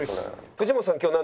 「藤本さん